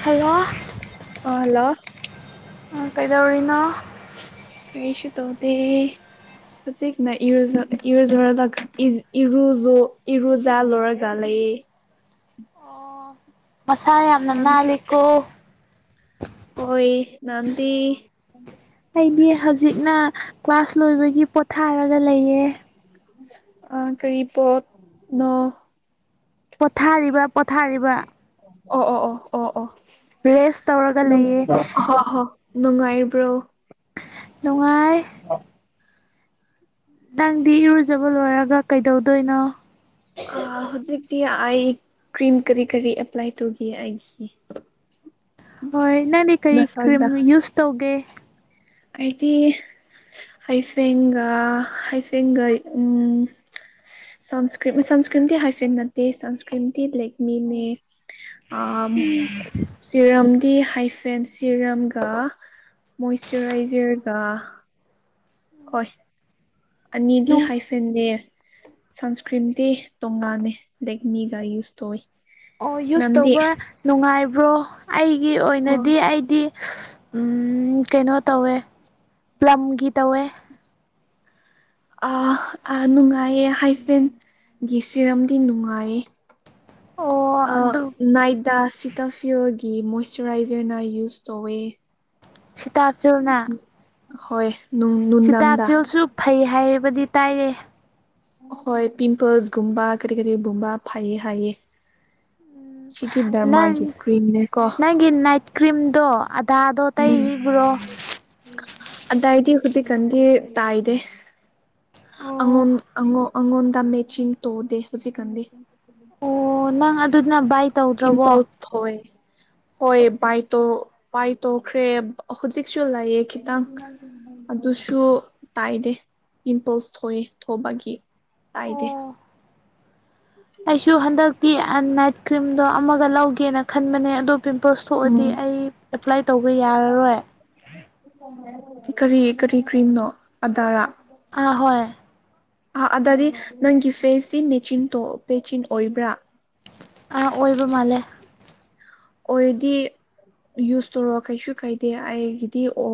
Hello ꯑꯂ ꯀꯩꯗꯧꯔꯤꯅꯣ ꯀꯩꯁꯨ ꯇꯧꯗꯦ ꯍꯧꯖꯤꯛꯅ ꯏꯔꯖ ꯏꯔꯖꯔ ꯂ ꯏꯔꯨꯖꯣ ꯏꯔꯨꯖꯥꯜ ꯑꯣꯏꯔꯒ ꯂꯩ ꯍ ꯃꯁꯥ ꯌꯥꯝꯅ ꯅꯥꯟ ꯅꯥꯜꯂꯤꯀꯣ ꯍꯣꯏ ꯅꯗꯤ ꯑꯩꯗꯤ ꯍꯧꯖꯤꯛꯅ ꯀ꯭ꯂꯥꯁ ꯂꯣꯏꯕꯒꯤ ꯄꯣꯊꯥꯔꯒ ꯂꯩꯌꯦ ꯑ ꯀꯔꯤ ꯄꯣꯠꯅꯣ ꯄꯣꯊꯥꯔꯤꯕ ꯄꯣꯊꯥꯔꯤꯕ ꯑꯣ ꯑꯣ ꯑꯣ ꯑꯣ ꯑꯣ ꯔꯦꯁ ꯇꯧꯔꯒ ꯂꯩꯌꯦ ꯍ ꯍ ꯅꯨꯡꯉꯥꯏꯕ꯭ꯔꯣ ꯅꯨꯡꯉꯥꯏ ꯑ ꯅꯪꯗꯤ ꯏꯔꯨꯖꯕ ꯂꯣꯏꯔꯒ ꯀꯩꯗꯧꯗꯣꯏꯅꯣ ꯑ ꯍꯗꯗꯤ ꯑꯥꯏ ꯀ꯭ꯔꯤꯝ ꯀꯔꯤ ꯀꯔꯤ ꯑꯦꯄ꯭ꯂꯥꯏ ꯇꯧꯒꯤ ꯑ ꯍꯣꯏ ꯅꯪꯗꯤ ꯀꯔꯤ ꯀ꯭ꯔꯤꯝ ꯌꯨꯁ ꯇꯧꯒꯦ ꯑꯗꯤ ꯍꯩꯐꯦꯡꯒ ꯍꯩꯐꯦꯡꯒ ꯎꯝ ꯁꯟꯁꯀ꯭ꯔꯤ ꯁꯟꯁꯀ꯭ꯔꯤꯟꯗꯤꯤ ꯍꯥꯏꯐꯦꯠ ꯅꯠꯇꯦ ꯁꯟꯁꯀ꯭ꯔꯤꯟꯗꯤꯤ ꯂꯦꯛꯃꯤꯅꯦ ꯑ ꯁꯤꯔꯝ ꯇꯗꯤ ꯍꯥꯏꯐꯦꯟ ꯁꯤꯔꯝꯒ ꯃꯣꯏꯆꯔꯥꯏꯖꯔꯒ ꯍꯣꯏ ꯑꯅꯤꯗꯤ ꯅꯨꯡ ꯍꯥꯏꯐꯟꯅꯦ ꯁꯟꯁꯀ꯭ꯔꯤꯟꯗꯤꯤ ꯇꯣꯉꯥꯟꯅꯦ ꯂꯦꯛꯅꯤꯒ ꯌꯨꯁ ꯇꯧꯋ ꯑꯣ ꯌꯨꯁ ꯇꯧꯕ ꯅꯨꯡꯉꯥꯏꯕ꯭ꯔꯣ ꯑꯩꯒꯤ ꯑꯣ ꯑꯣꯏꯅꯗꯤ ꯑꯩꯗꯤ ꯎꯝ ꯀꯩꯅꯣ ꯇꯧꯋꯦ ꯄꯂꯝꯂꯝꯒꯤ ꯇꯧꯋꯦ ꯅꯨꯡꯉꯥꯏꯌꯦ ꯍꯥꯏꯐꯦꯟꯒꯤ ꯁꯤꯔꯝꯗꯤ ꯅꯨꯡꯉꯥꯏꯌꯦ ꯑꯣ ꯑ ꯑꯗꯨ ꯅꯥꯏꯠ ꯇ ꯁꯤꯇꯥꯐꯤꯌꯜꯒꯤ ꯃꯣꯏꯆꯔꯥꯏꯖꯔꯅ ꯌꯨꯁ ꯇꯧꯋꯦ ꯁꯤꯇꯥꯐꯜꯅ ꯍꯣꯏ ꯅꯨꯡꯗꯥꯡꯗ ꯁꯤꯇꯥꯐꯤꯜꯁꯨ ꯐꯩ ꯍꯥꯏꯕꯗꯤ ꯇꯥꯏꯔꯦ ꯍꯣꯏ ꯄꯤꯝꯄꯜꯁꯒꯨꯝꯕ ꯀꯔꯤ ꯀꯔꯤꯒꯨꯝꯕ ꯐꯩꯌꯦ ꯍꯥꯏꯌꯦ ꯆꯤꯊꯤ ꯙꯔꯃꯥꯒꯤ ꯅꯪ ꯀ꯭ꯔꯤꯝꯅꯤ ꯀꯣ ꯅꯪꯒꯤ ꯅꯥꯏꯠ ꯀ꯭ꯔꯤꯝꯗꯣ ꯑꯗꯥꯗꯣ ꯎꯝ ꯇꯩꯔꯤꯕ꯭ꯔꯣ ꯑꯗꯗꯤ ꯍꯧꯖꯤꯛꯀꯥꯟꯗꯤ ꯇꯥꯏꯗꯦ ꯑꯣ ꯑꯉꯣꯝ ꯑꯉ ꯑꯪꯣꯟꯗ ꯃꯦꯆꯤꯡ ꯇꯧꯔꯗ ꯍꯧꯖꯤꯛ ꯀ ꯑꯣ ꯅꯪ ꯑꯗꯨ ꯑꯗꯨꯗꯅ ꯥꯏꯛ ꯏꯝꯄꯜꯁ ꯍ ꯍꯣꯏ ꯕꯥꯥꯏ ꯇꯣꯛꯈ꯭ꯔꯦ ꯍꯧꯖꯤꯛꯁꯨ ꯂꯩꯌꯦꯦ ꯈꯤꯇꯪ ꯑꯗꯨꯁꯨ ꯇꯥꯏꯗꯦ ꯄꯤꯝꯄꯜꯁ ꯊꯣꯛꯑ ꯊꯣꯛꯕꯒꯤ ꯇꯥꯏꯗꯦ ꯑꯩꯁꯨ ꯍꯟꯗꯛꯇꯤ ꯑꯅꯥꯏꯠ ꯀ꯭ꯔꯤꯝꯗꯣ ꯑꯃꯒ ꯂꯧꯒꯦꯅ ꯈꯟꯕꯅꯦ ꯑꯣ ꯄꯤꯝꯄꯜꯁ ꯊꯣꯛꯑꯗꯤ ꯎꯝ ꯑꯩ ꯑꯦꯄ꯭ꯂꯥꯏ ꯇꯧꯕ ꯌꯥꯔꯔꯣꯏ ꯀꯔꯤ ꯀꯔꯤ ꯀ꯭ꯔꯤꯝꯅꯣ ꯑꯗꯥꯔꯥ ꯑ ꯍꯣꯏ ꯑ ꯑꯗꯗꯤ ꯅꯪꯒꯤ ꯐꯦꯁꯁꯤꯤ ꯃꯦꯆꯤꯟ ꯃꯦꯆꯤꯟ ꯑꯣꯏꯕ꯭ꯔꯥ ꯑ ꯑꯣꯏꯏꯕ ꯃꯥꯂꯦ ꯑꯣꯏꯗꯤ ꯌꯨꯁ ꯇꯧꯔꯑꯣ ꯀꯩꯁꯨ ꯀꯩꯗꯦ ꯑꯩꯒꯤꯗꯤ ꯑꯣ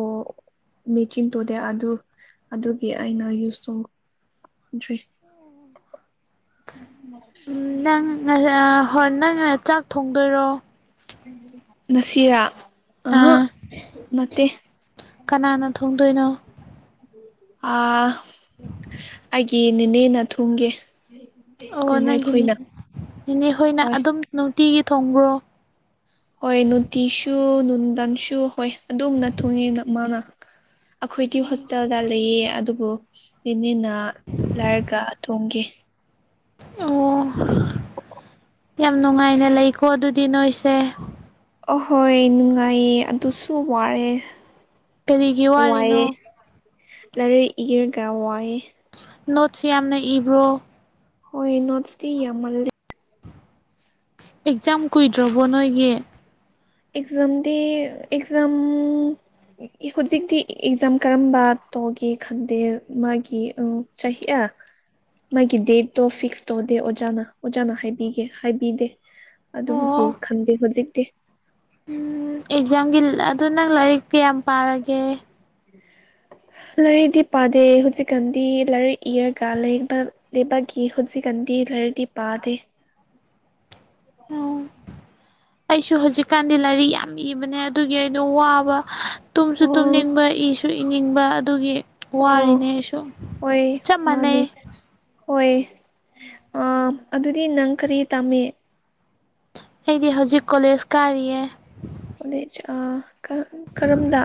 ꯃꯦꯆꯤꯟ ꯇꯣꯗꯦ ꯑꯗꯨ ꯑꯗꯨꯒꯤ ꯑꯩꯅ ꯌꯨꯁ ꯇꯣꯡ [unintelligible] ꯎꯝ ꯅꯪ ꯍ ꯅꯪ ꯆꯥꯛ ꯊꯣꯡꯗꯣꯏꯔꯣ ꯅꯁꯤꯔꯥ ꯑ ꯑꯥ ꯅꯠꯇꯦ ꯀꯅꯥꯅ ꯊꯣꯡꯗꯣꯏꯅꯣ ꯑ ꯑꯩꯒꯤ ꯅꯤꯅꯦꯅ ꯊꯨꯝꯒꯦ ꯑꯣ ꯅꯪꯒꯤꯅꯦꯅꯦ ꯏꯅꯦ ꯍꯣꯏꯅ ꯍꯣꯏ ꯑꯗꯨꯝ ꯅꯨꯡꯇꯤꯒꯤ ꯊꯣꯡꯕ꯭ꯔꯣ ꯍꯣꯏ ꯅꯨꯡꯇꯤꯁꯨ ꯅꯨꯡꯟꯗꯟꯁꯨ ꯍꯣꯏ ꯑꯗꯨꯝꯅ ꯊꯨꯡꯉꯤ ꯃꯥꯅ ꯑꯩꯈꯣꯏꯒꯤ ꯍꯣꯁꯇꯦꯜꯗ ꯂꯩꯌꯦ ꯑꯗꯨꯕꯨ ꯅꯦꯅ ꯂꯥꯏꯔꯒ ꯊꯣꯡꯈꯤ ꯑꯣ ꯌꯥꯝ ꯅꯨꯡꯉꯥꯏꯅ ꯂꯩꯀꯣ ꯑꯗꯨꯗꯤ ꯅꯣꯏꯁꯦ ꯑꯍꯣꯏ ꯅꯨꯡꯉꯥꯏꯌꯦ ꯑꯗꯨꯁꯨ ꯋꯥꯔꯦ ꯀꯔꯤꯒꯤ ꯋꯥꯔꯤꯅꯣ ꯋꯥꯏꯑꯦ [unintelligible] ꯅꯣꯠꯁ ꯌꯥꯝꯅ ꯏꯕ꯭ꯔꯣ꯫ ꯍꯣꯏ ꯅꯣꯠꯁꯇ ꯌꯥꯝꯃꯜꯂꯦ꯫ ꯑꯦꯛꯖꯥꯝ ꯀꯨꯏꯗ꯭ꯔꯕꯣ ꯅꯣꯏꯒꯤ꯫ ꯑꯦꯛꯖꯝꯗꯤ ꯑꯦꯛꯖꯝ ꯍꯧꯖꯤꯛꯇꯤ ꯑꯦꯛꯖꯥꯝ ꯀꯔꯝꯕ ꯇꯧꯒꯦ ꯈꯟꯗꯦ ꯃꯥꯒꯤ ꯆꯍꯤ ꯃꯥꯒꯤ ꯗꯦꯠꯇꯣ ꯐꯤꯛꯁ ꯇꯧꯗꯦ ꯑꯣꯖꯥꯅ ꯑꯣꯖꯥꯅ ꯍꯥꯏꯕꯤꯒꯦ ꯍꯥꯏꯕꯤꯗꯦ꯫ ꯑꯗꯨꯕꯨ ꯑꯣ ꯈꯪꯗꯦ ꯍꯧꯖꯤꯛꯇꯤ꯫ ꯎꯝ ꯑꯦꯛꯖꯥꯝꯒꯤ ꯑꯗꯨ ꯅꯪ ꯂꯥꯏꯔꯤꯛ ꯀꯌꯥꯝ ꯄꯥꯔꯒꯦ꯫ [unintelligible] [inaudible] ꯂꯥꯏꯔꯤꯗꯤ ꯄꯥꯗꯦ ꯍꯧꯖꯤꯛꯀꯥꯟꯗꯤ ꯂꯔꯤꯛ ꯏꯔꯒꯂꯩꯕꯒꯤ ꯍꯧꯖꯤꯛꯀꯥꯟ ꯗꯤ ꯂꯔꯤꯇꯤ ꯄꯥꯗꯦ꯫ [unintelligible] ꯑꯣ [inaudible] ꯑꯩꯁꯨ ꯍꯧꯖꯤꯛꯀꯥꯟꯗꯤ ꯂꯥꯏꯔꯤꯛ ꯌꯥꯝ ꯏꯕꯅꯦ ꯑꯗꯨꯒꯤ ꯑꯩꯗꯨ ꯋꯥꯕ꯫ ꯇꯨꯝꯁꯨ ꯑꯣ ꯇꯨꯝꯅꯤꯡꯕ ꯏꯁꯨ ꯏꯅꯤꯡꯕ ꯑꯗꯨꯒꯤ꯫ ꯑꯣ ꯋꯥꯔꯤꯅꯦ ꯑꯩꯁꯨ ꯍꯣꯏ ꯆꯞ ꯃꯥꯅꯦ ꯃꯥꯟꯅꯩ ꯍꯣꯏ꯫ ꯑ ꯑꯗꯨꯗꯤ ꯅꯪ ꯀꯔꯤ ꯇꯥꯝꯃꯤ꯫ ꯑꯩꯗꯤ ꯍꯧꯖꯤꯛ ꯀꯣꯂꯦꯖ ꯀꯥꯔꯤꯌꯦ꯫ ꯀꯣꯂꯦꯖ ꯑꯥ ꯀꯔꯝꯗ꯫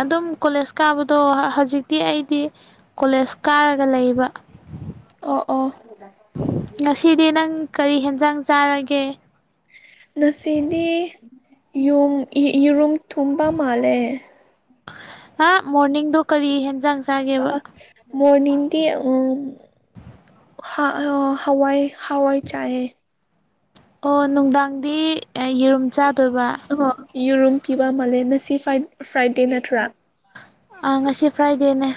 ꯑꯗꯨꯝ ꯀꯣꯂꯦꯖ ꯀꯥꯕꯗꯣ ꯍꯧꯖꯤꯛꯇꯤ ꯑꯩꯗꯤ ꯀꯣꯂꯦꯖ ꯀꯥꯔꯒ ꯂꯩꯕ꯫ ꯑꯣ ꯑꯣ ꯉꯁꯤꯗꯤ ꯅꯪ ꯀꯔꯤ ꯍꯦꯟꯖꯥꯡ ꯆꯥꯔꯒꯦ꯫ ꯉꯁꯤꯗꯤ꯫ ꯌꯨꯝ ꯌꯦꯔꯨꯝ ꯊꯣꯡꯕ ꯃꯥꯜꯂꯦ꯫ ꯑꯥ ꯃꯣꯔꯅꯤꯡꯗꯣ ꯀꯔꯤ ꯍꯦꯟꯖꯪ ꯑꯁ ꯃꯣꯔꯅꯤꯡꯗꯤ ꯎꯝ꯫ ꯍꯥ ꯍꯋꯥꯏ ꯍꯋꯥꯏ ꯆꯌꯦ꯫ ꯑꯣ ꯅꯨꯡꯗꯥꯡꯗꯤ ꯌꯦꯔꯨꯝ ꯆꯥ ꯑꯣ ꯌꯦꯔꯨꯝ ꯄꯤꯕ ꯃꯥꯜꯂꯦ ꯉꯁꯤ ꯐ꯭ꯔꯥꯏꯗꯦ ꯅꯠꯇ꯭ꯔꯥ꯫ ꯑ ꯉꯁꯤ ꯐ꯭ꯔꯥꯏꯗꯦꯅꯦ꯫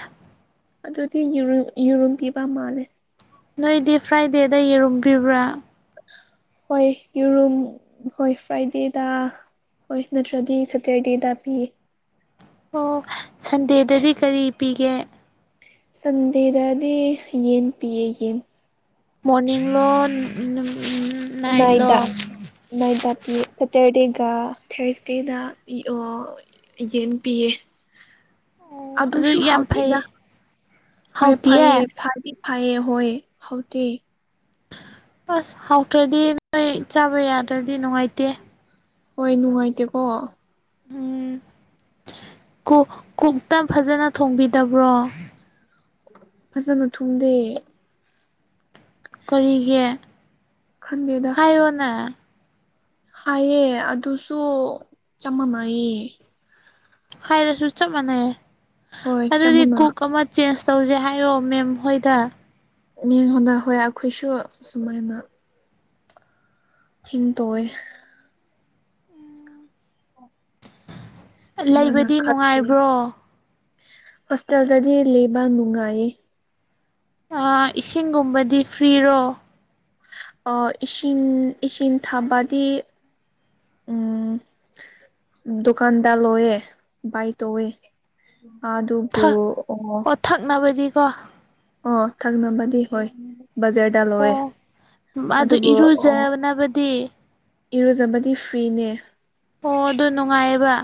ꯑꯗꯨꯗꯤ ꯌꯦꯔꯨꯝ ꯌꯦꯔꯨꯝꯄꯤꯕ ꯃꯥꯜꯂꯦ꯫ ꯅꯣꯏꯗꯤ ꯐ꯭ꯔꯥꯏꯗꯦꯗ ꯌꯦꯔꯝꯕꯤꯕ꯭ꯔꯥ꯫ ꯍꯣꯏ ꯌꯦꯔꯨꯝ ꯍꯣꯏ ꯐ꯭ꯔꯥꯏꯗꯦꯗ꯫ ꯍꯣꯏ ꯅꯠꯇ꯭ꯔꯗꯤ ꯁꯇꯔꯗꯦꯗ ꯄꯤꯌꯦ꯫ ꯑꯣ ꯁꯟꯗꯦꯗꯗꯤ ꯀꯔꯤ ꯄꯤꯒꯦ꯫ ꯁꯟꯗꯦꯗꯗꯤ ꯌꯦꯟ ꯄꯤꯌꯦ ꯌꯦꯟ꯫ ꯃꯣꯔꯅꯤꯡ ꯂꯣ ꯅꯨꯝ ꯅꯥꯏꯠꯗ ꯅꯥꯏꯠꯇ ꯄꯤꯌꯦ꯫ ꯁꯇꯔꯗꯦꯒ ꯊꯔꯁꯗꯦꯗ ꯑꯣ ꯌꯦꯟ ꯄꯤꯌꯦ꯫ ꯑꯣ ꯑꯗꯨ ꯑꯗꯨꯁꯨ ꯌꯥꯝ ꯍꯥꯎꯇꯦꯗ ꯐꯩ ꯍꯣꯏ ꯐꯩꯌꯦ ꯍꯥꯎꯇꯤꯌꯦ ꯐꯗꯤ ꯐꯌꯦ ꯍꯣꯏ ꯍꯥꯎꯇꯦ꯫ ꯑꯁ ꯍꯥꯎꯇ꯭ꯔꯗꯤ ꯅꯣꯏ ꯆꯥꯕ ꯌꯥꯗ꯭ꯔꯗꯤ ꯅꯨꯡꯉꯥꯏꯇꯦ꯫ ꯍꯣꯏ ꯅꯨꯡꯉꯥꯏꯇꯦꯀꯣ꯫ ꯎꯝ ꯀꯨꯛ ꯀꯨꯛꯇ ꯐꯖꯅ ꯊꯣꯡꯕꯤꯗꯕ꯭ꯔꯣ꯫ ꯐꯖꯅ ꯊꯣꯡꯗꯦ꯫ ꯀꯔꯤꯒꯤ ꯈꯟꯗꯦꯗ ꯍꯥꯏꯔꯣꯅꯦ꯫ ꯍꯥꯏꯌꯦ ꯑꯗꯨꯁꯨ ꯆꯞ ꯃꯥꯟꯅꯌꯦ꯫ ꯍꯥꯏꯔꯁꯨ ꯆꯞ ꯃꯥꯟꯅꯩꯌꯦ ꯍꯣꯏ ꯆꯞ ꯑꯗꯨꯗꯤ ꯃꯥꯟꯅ ꯀꯨꯛ ꯑꯃ ꯆꯦꯟꯁ ꯇꯧꯖꯦ ꯍꯥꯏꯌꯣ ꯃꯦꯝ ꯍꯣꯏꯗ꯫ ꯃꯤ ꯍꯣꯟꯗ ꯍꯣꯏ ꯑꯩꯈꯣꯏꯁꯨ ꯁꯨꯃꯥꯏꯅ ꯊꯤꯅ ꯇꯧꯏ꯫ ꯂꯩꯕꯗꯤ ꯅꯨꯡꯉꯥꯏꯕ꯭ꯔꯣ ꯍꫭꯁꯍ‌ꯦꯜ ꯗꯥꯗꯤ ꯂꯦꯕꯥ ꯅꯨꯡꯉꯥꯏꯌ‌ꯦ ꯑꯥ ꯏꯁꯤꯡꯒꯨꯝꯕꯗꯤ ꯐ꯭ꯔꯤꯔꯣ ꯑꯥ ꯏꯁꯤꯡ ꯏꯁꯤꯡ ꯊꯥꯕꯗꯤ ꯎꯝ ꯗꯨꯀꯥꯟꯗꯥ ꯂꫭꯏꯋꯦ ꯕꯥꯏ ꯇꯧꯋꯦ ꯑꯥ ꯑꯗꯨꯕꯨ ꯑꯣ ꯑꯥ ꯑꯣ ꯊꯪꯅꯕꯗꯤ ꯍꫭꯏ ꯕꯖꯥꯔꯗ ꯂꯣꯏꯑꯦ ꯑꯣ ꯑꯗꯨ ꯑꯗꯨꯕꯨ ꯑꯣ ꯏꯔꯨꯖꯅꯕꯗꯤ ꯏꯔꯨꯖꯕꯗꯤ ꯐ꯭ꯔꯤꯅꯦ ꯑꯣ ꯑꯗꯨ ꯅꯨꯡꯉꯥꯏꯌꯦꯕ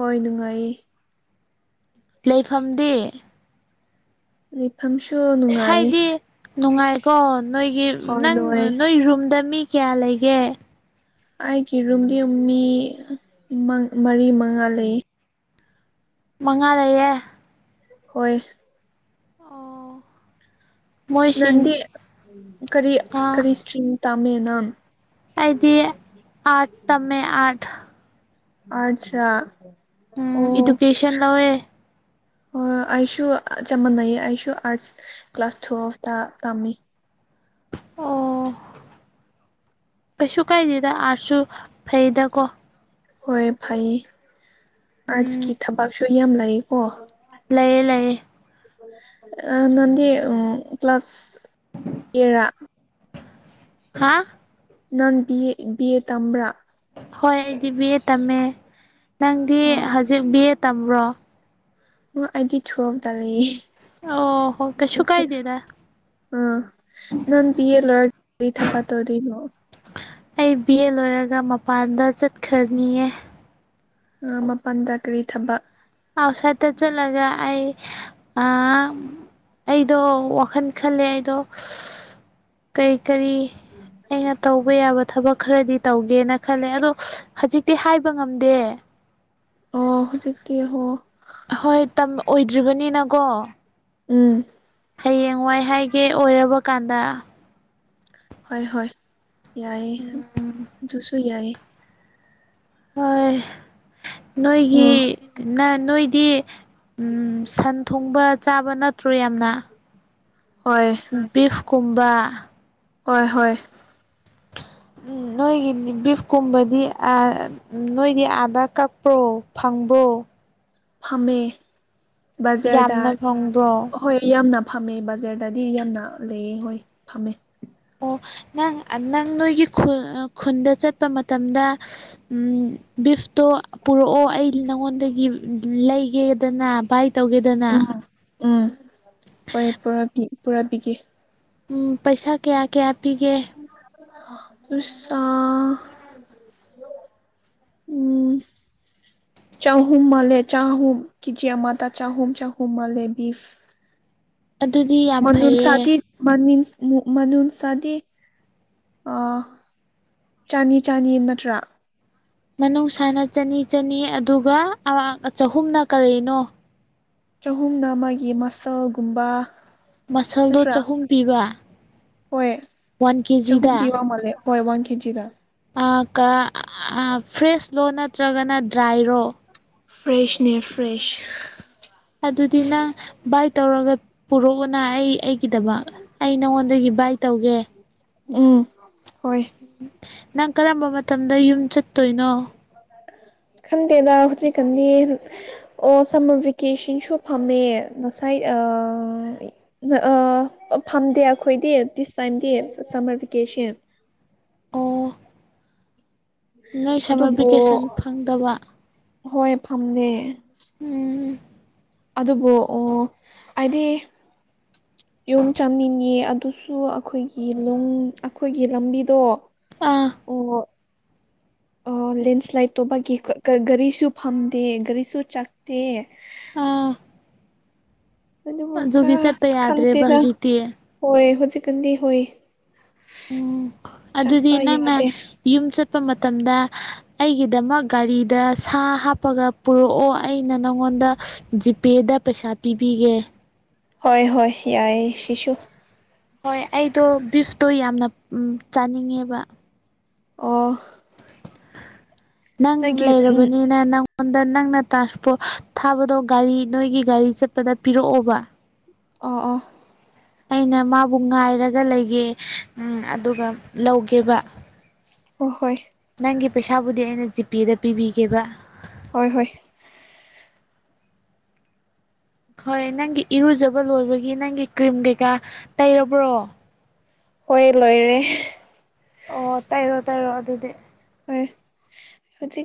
ꯍꯣꯏ ꯅꯨꯡꯉꯥꯏꯌꯦ ꯂꯩꯐꯝꯗꯤ ꯂꯩꯐꯝꯁꯨ ꯅꯨꯡꯉꯥꯏꯌ‌ꯦ ꯍꯥꯏꯗꯤ ꯅꯨꯡꯉꯥꯏꯀꯣ ꯅꯣꯏꯒꯤ ꯅꯪ ꯂꯣꯏ ꯅꯣꯏ ꯔꯨꯝꯗ ꯃꯤ ꯀꯌꯥ ꯂꯩꯒꯦ ꯑꯩꯒꯤ ꯔꯨꯝꯗꯤ ꯃꯤ ꯃꯔꯤ ꯃꯉꯥ ꯂꯩꯌ‌ꯦ ꯃꯉꯥꯂꯩꯌꯦ ꯍꯣꯏ ꯑꯣ ꯃꯣꯏꯁꯤꯡ ꯅꯪꯗꯤ ꯀꯔꯤ ꯑꯥ ꯀꯔꯤ ꯁ꯭ꯔꯤꯡ ꯇꯝꯃꯤꯅꫭ ꯑꯩꯗꯤ ꯑꯥꯔꯠ ꯇꯝꯃꯦ ꯑꯥꯔꯠ ꯑꯆꯥ ꯎꯝ ꯑꯦꯗꯨꯀꯦꯁꯟ ꯂꯧꯋꯦ ꯍꫭꯏ ꯑꯩꯁꯨ ꯆꯞ ꯃꯟꯅꯩꯌ‌ꯦ ꯑꯩꯁꯨ ꯑꯥꯔꯠꯁ ꯀ꯭ꯂꯥꯁ ꯊꯨꯑꯐꯇ ꯇꯝꯃꯤ ꯑꯣ ꯀꯩꯁꯨ ꯀꯥꯏꯗꯦꯗ ꯑꯥꯔꯁꯨ ꯐꯩꯗꯀꯣ ꯍꯣꯏ ꯐꯩꯌꯦ ꯎꯝ ꯑꯥꯔꯠꯁꯀꯤ ꯊꯕꯛꯁꯨ ꯌꯥꯝ ꯂꯩꯌ‌ꯦ ꯀꫭ ꯂꯩꯌꯦ ꯂꯩꯌꯦ ꯑꯥ ꯅꯪꯗꯤ ꯎꯝ ꯀ꯭ꯂꯥꯁ ꯀꯌꯥꯔꯥ ꯍꯥ ꯅꯪ ꯕꯤ ꯑꯦ ꯕꯤ ꯑꯦ ꯇꯝꯕ꯭ꯔꯥ ꯍꯣꯏ ꯑꯩꯗꯤ ꯕꯤ ꯑꯦ ꯇꯝꯃ‌ꯦ ꯅꯪꯗꯤ ꯑꯣ ꯍꯥꯖꯤꯛ ꯕꯤ ꯑꯦ ꯇꯝꯕ꯭ꯔꯣ ꯑꯣ ꯑꯩꯗꯤ ꯊꯨꯋꯦꯜꯐ ꯇ ꯂꯩꯌꯦ ꯑꯣ ꯍꯣ ꯀꯩꯁꯨ ꯀꯥꯏꯗꯦꯗꯥ ꯑꫭ ꯅꯪ ꯕꯤꯑ‌ꯦ ꯂꫭꯔꯗꯤ ꯀꯥꯔꯤ ꯊꯕꯥꯛ ꯇꯧꯗꫭꯏꯅꫭ ꯑꯩ ꯕꯤ ꯑꯦ ꯂꯣꯏꯔꯒ ꯃꯄꯥꯟꯗ ꯆꯠꯈ꯭ꯔꯅꯤꯌ‌ꯦ ꯑꯥ ꯃꯄꯥꯟꯗ ꯀꯔꯤ ꯊꯥꯕꯛ ꯑꯥꯎꯁꯥꯏꯠꯇ ꯆꯠꯂꯒ ꯑꯩ ꯑꯥ ꯑꯩꯗꯣ ꯋꯥꯈꯜ ꯈꯜꯂꯦ ꯑꯩꯗꯣ ꯀꯩ ꯀꯔꯤ ꯑꯩꯅ ꯇꯧꯕ ꯌꯥꯕ ꯊꯕꯛ ꯈꯔꯗꯤ ꯇꯧꯒꯦ ꯒꯦꯅ ꯈꯜꯂꯦ ꯑꯗꯣ ꯍꯧꯖꯤꯛꯇꯤ ꯍꯥꯏꯕ ꯉꯝꯗꯦ ꯑꫭ ꯍꯧꯖꯤꯛꯇꯤ ꯍꯣ ꯍꯣꯏ ꯇꯝ ꯑꯣꯏꯗ꯭ꯔꯤꯕꯅꯤꯅꯀꯣ ꯎꯝ ꯍꯌꯦꯡꯋꯥꯏ ꯍꯥꯏꯒꯦ ꯑꯣꯏꯔꯥꯕ ꯀꯥꯟꯗ ꯍꯣꯏ ꯍꯣꯏ ꯌꯥꯏꯌ‌ꯦ ꯑꯗꯨꯁꯨ ꯌꯥꯏꯌꯦ ꯍꯣꯏ ꯅꯣꯏꯒꯤ ꯑꯣ ꯅ ꯅꯣꯏꯗꯤ ꯎꯝ ꯁꯟ ꯊꯣꯡꯕ ꯆꯥꯕ ꯅꯠꯇ꯭ꯔꯣ ꯌꯥꯝꯅ ꯍꯣꯏ ꯕꯤꯐ ꯀꯨꯝꯕ ꯍꫭꯏ ꯍꯣꯏ ꯎꯝ ꯅꯣꯏꯒꯤ ꯕꯤꯐ ꯀꯨꯝꯕꯗꯤ ꯅꯣꯏꯗꯤ ꯑꯥꯗꯥ ꯀꯛꯄ꯭ꯔꯣ ꯐꯪꯕ ꯕ꯭ꯔꯣ ꯐꯝꯃꯦ ꯕꯖꯔꯗ ꯌꯥꯝꯅ ꯐꯪꯕ꯭ꯔꯣ ꯑꯍꯣꯏ ꯌꯥꯝꯅ ꯐꯝꯃꯦ ꯕꯖꯔꯗꯗꯤ ꯌꯥꯝꯅ ꯂꯩꯌꯦ ꯍꯣꯏ ꯐꯝꯃꯦ ꯑꯣ ꯅꯪ ꯅꯣꯏꯒꯤ ꯈꯨꯟꯗ ꯆꯠꯄ ꯃꯇꯝꯗ ꯒꯤꯐꯇꯣ ꯄꯨꯔꯛꯑꯣ ꯑꯩ ꯅꯉꯣꯟꯗꯒꯤ ꯂꯩꯒꯦꯗꯅ ꯕꯥꯏ ꯇꯧꯒꯦꯗꯅ ꯎꯝ ꯎꯝ ꯍꯣꯏ ꯄꯨꯔ ꯄꯨꯔꯥꯕꯤꯒꯦ ꯎꯝ ꯄꯩꯁꯥ ꯀꯌꯥ ꯀꯌꯥ ꯄꯤꯒꯦ ꯁꯥ ꯎ ꯆꯥꯍꯨꯝ ꯃꯥꯜꯂꯦ ꯆꯥꯍꯨꯝ ꯀꯤꯖꯤꯌꯥ ꯃꯥꯇꯥ ꯆꯥꯍꯨꯝ ꯆꯍꯨꯝ ꯃꯥꯂꯦ ꯕꯤꯐ ꯑꯗꯨꯗꯤ ꯌꯥꯝ ꯃ ꯐꯩꯌꯦ ꯁꯥꯗꯤ ꯃ ꯃꯟ ꯁꯥꯗꯤ [unintelligible] ꯑ ꯆꯥꯅꯤ ꯆꯥꯅꯤ ꯅꯠꯇ꯭ꯔꯥ ꯃꯅꯨꯡꯁꯥꯅ ꯆꯅꯤ ꯆꯅꯤ ꯑꯗꯨꯒ ꯆꯍꯨꯝꯅ ꯀꯔꯤꯅꯣ ꯆꯍꯨꯝꯅ ꯑꯃꯒꯤ ꯃꯁꯜꯒꯨꯝꯕ ꯃꯁꯜꯗꯣ ꯅꯠꯇ꯭ꯔꯥ ꯆꯍꯨꯝ ꯄꯤꯕ ꯍꯣꯏ ꯋꯥꯟ ꯆꯈꯨꯝ ꯀꯦꯖꯤꯗ ꯄꯤꯕ ꯃꯥꯂꯦ ꯍꯣꯏ ꯋꯥꯟ ꯀꯦꯖꯤ ꯂ ꯐ꯭ꯔꯦꯁꯂꯣ ꯅꯠꯇ꯭ꯔꯒꯅ ꯗ꯭ꯔꯥꯏꯔꯣ ꯐ꯭ꯔꯦꯁꯅꯦꯦ ꯐ꯭ꯔꯦꯁ ꯑꯗꯨꯗꯤ ꯅꯪ ꯕꯥꯏꯛ ꯇꯧꯔꯒ ꯄꯨꯔꯛꯑꯣꯅ ꯑꯩ ꯑꯩꯒꯤꯗꯃꯛ ꯑꯩ ꯅꯪꯉꯣꯟꯗꯒꯤ ꯕꯥꯏꯛ ꯇꯧꯒꯦ ꯎꯝ ꯍꯣꯏ ꯅꯪ ꯀꯔꯝꯕ ꯃꯇꯝꯗ ꯌꯨꯝ ꯆꯠꯇꯣꯏꯅꯣ [unintelligible] ꯈꯟꯗꯦꯗ ꯍꯧꯖꯤꯛꯀꯗꯤ ꯑꯣ ꯁꯝꯃꯔ ꯚꯦꯀꯦꯁꯟꯁꯨ ꯐꯝꯃꯦ ꯉꯁꯥꯏ ꯐꯝꯗꯦ ꯑꯩꯈꯣꯏꯗꯤ ꯗꯤꯁ ꯇꯥꯏꯝꯗꯤ ꯁꯝꯃꯔ ꯚꯦꯀꯦꯁꯟ ꯎ ꯑꯣ ꯅꯣꯏ ꯁꯝꯃꯔ ꯑꯗꯨꯕꯨ ꯚꯦꯀꯦꯁꯟ ꯐꯪꯗꯕ ꯍꯣꯏ ꯐꯝꯅꯦ ꯎꯝ ꯑꯗꯨꯕꯨ ꯍꯥꯏꯗꯤ ꯌꯣꯝ ꯆꯝꯅꯤꯡꯉꯤ ꯑꯗꯨꯁꯨ ꯑꯩꯈꯣꯏꯒꯤ ꯑꯩꯈꯣꯏꯒꯤ ꯂꯝꯕꯤꯗꯣ ꯑꯥ [unintelligible] ꯂꯦꯟꯁ꯭ꯂꯥꯏꯗ ꯇꯧꯕꯒꯤ ꯒꯥꯔꯤꯁꯨ ꯐꯝꯗꯦ ꯒꯥꯔꯤꯁꯨ ꯆꯠꯇꯦ ꯑꯥ ꯑꯗꯨꯕꯨ ꯑꯗꯨꯒꯤ ꯈꯔ ꯆꯠꯄ ꯌꯥꯗ꯭ꯔꯦꯕ ꯈꯪꯗꯦꯗ ꯍꯧꯖꯤꯛꯇꯤ ꯍꯣꯏ ꯍꯧꯖꯤꯛꯀꯥꯟꯗꯤ ꯍꯣꯏ ꯎꯝ ꯆꯠꯄ ꯑꯗꯨꯗꯤꯅ ꯌꯥꯗꯦ ꯌꯨꯝꯁꯠ ꯆꯠꯄ ꯃꯇꯝꯗ ꯑꯩꯒꯤꯗꯃꯛ ꯒꯥꯔꯤꯗ ꯁꯥ ꯍꯥꯞꯄꯒ ꯄꯨꯔꯛꯑꯣ ꯑꯩꯅ ꯅꯪꯉꯣꯟ ꯑꯩꯉꯣꯟꯗ ꯖꯤꯄꯦꯗ ꯄꯩꯁꯥ ꯄꯤꯕꯤꯒꯦ ꯍꯣꯏ ꯍꯣꯏ ꯌꯥꯏ ꯁꯤꯁꯨ ꯍꯣꯏ ꯑꯩꯗꯣ ꯕꯤꯐꯇꯣ ꯌꯥꯝꯅ ꯆꯥꯅꯤꯡꯉꯦꯕ ꯑꯣ ꯅꯪ ꯅꯪꯒꯤ ꯎꯝ ꯂꯩꯔꯕꯅꯤꯅ ꯅꯪ ꯑꯩꯉꯣꯟꯗ ꯅꯪꯅ ꯇ꯭ꯔꯥꯟꯁꯄꯣꯔꯠ ꯊꯥꯕꯗꯣ ꯒꯥꯔꯤ ꯅꯣꯏꯒꯤ ꯒꯥꯔꯤ ꯆꯠꯄꯗ ꯄꯤꯔꯛꯑꯣꯕ ꯑ ꯑ ꯑꯩꯅ ꯃꯥꯕꯨ ꯉꯥꯏꯔꯒ ꯂꯩꯒꯦ ꯎꯝ ꯑꯗꯨꯒ ꯂꯧꯒꯦꯕ ꯑꯣ ꯍꯣꯏ ꯅꯪꯒꯤ ꯄꯩꯁꯥꯕꯨꯗꯤ ꯑꯩꯅ ꯖꯤꯄꯦꯗ ꯄꯤꯕꯤꯒꯦꯕ ꯍꯣꯏ ꯍꯣꯏ ꯍꯣꯏ ꯅꯪꯒꯤ ꯏꯔꯨꯖꯕ ꯂꯣꯏꯕꯒꯤ ꯅꯪꯒꯤ ꯀ꯭ꯔꯤꯝ ꯀꯩꯀꯥ ꯇꯩꯔꯕ꯭ꯔꯣ ꯍꯣꯏ ꯂꯣꯏꯔꯦ ꯑꯣ ꯇꯥꯏꯔꯣ ꯇꯩꯔꯣ ꯑꯗꯨꯗꯤ ꯍꯣꯏ ꯍꯧꯖꯤꯛ